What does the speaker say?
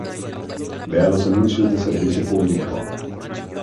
Vea los anuncios de servicio publico